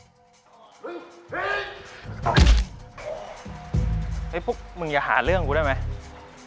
เฮ้มรึไหว้ที่มึงหาเรื่องของสุดของสุดของของกูได้มั้ย